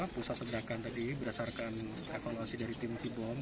pusat ledakan tadi berdasarkan ekolosi dari tim tim bom